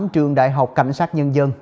trường đại học cảnh sát nhân dân